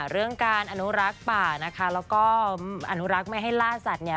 เรื่องการอนุรักษ์ป่านะคะแล้วก็อนุรักษ์ไม่ให้ล่าสัตว์เนี่ย